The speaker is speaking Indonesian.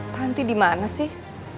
tanti dimana sih